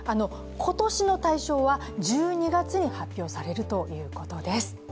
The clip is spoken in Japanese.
今年の大賞は１２月に発表されるということです